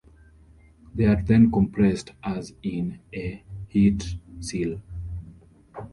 They are then compressed as in a heat seal.